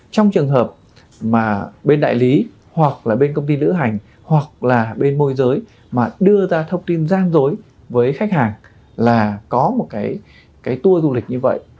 trong trường hợp mà bên đại lý hoặc là bên công ty lữ hành hoặc là bên môi giới mà đưa ra thông tin gian dối với khách hàng là có một cái tour du lịch như vậy